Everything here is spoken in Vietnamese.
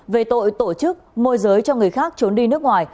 về tội tổ chức môi giới cho người khác trốn đi nước ngoài